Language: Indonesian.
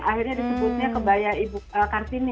akhirnya disebutnya kebaya ibu kartini